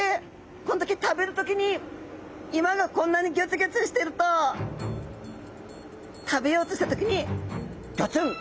この時食べる時に岩がこんなにギョツギョツしてると食べようとした時にゴツンゴツンゴツン！